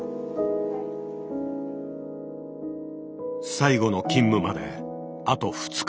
最後の勤務まであと２日。